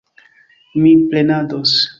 Mi prenados.